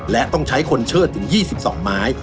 และต้องใช้คนเชิดถึง๒๒ไม้